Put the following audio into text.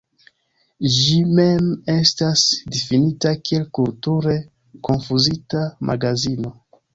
Ĝi mem estas difinita kiel "kulture konfuzita magazino".